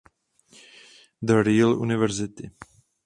The Real University.